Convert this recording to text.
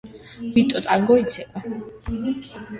ვიტო ტანგო იცეკვეე